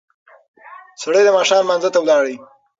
سړی د ماښام لمانځه ته ولاړ.